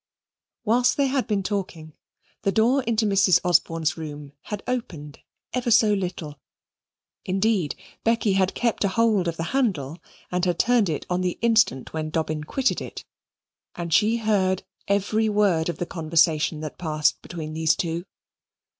Whilst they had been talking, the door into Mrs. Osborne's room had opened ever so little; indeed, Becky had kept a hold of the handle and had turned it on the instant when Dobbin quitted it, and she heard every word of the conversation that had passed between these two.